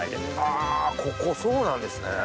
はぁここそうなんですね。